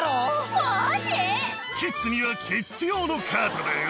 キッズにはキッズ用のカートだよ。